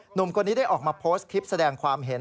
หนุ่มคนนี้ได้ออกมาโพสต์คลิปแสดงความเห็น